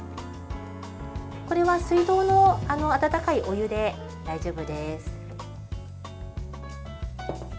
これは水道の温かいお湯で大丈夫です。